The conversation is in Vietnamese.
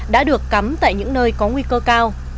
đã được cắm tại những nơi có nguy cơ cao